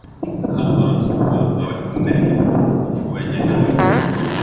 Hawa, uwapa unene, watukufu wenye nayo